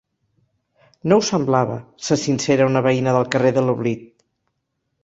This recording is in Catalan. No ho semblava —se sincera una veïna del carrer de l'Oblit.